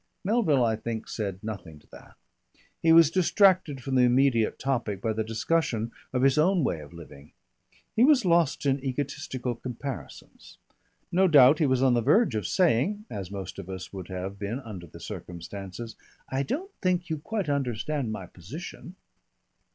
Melville, I think, said nothing to that. He was distracted from the immediate topic by the discussion of his own way of living. He was lost in egotistical comparisons. No doubt he was on the verge of saying, as most of us would have been under the circumstances: "I don't think you quite understand my position."